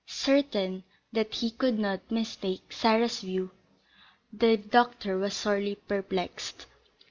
Certain that he could not mistake Sarah's views, the doctor was sorely perplexed.